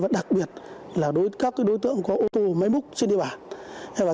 đặc biệt là các đối tượng có ô tô máy múc trên địa bàn